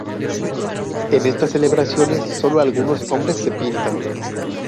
En estas celebraciones sólo algunos hombres se pintan.